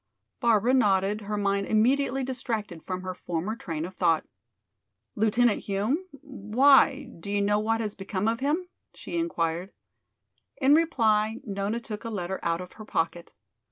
Barbara nodded, her mind immediately distracted from her former train of thought. "Lieutenant Hume? Why, do you know what has become of him?" she inquired. In reply Nona took a letter out of her pocket.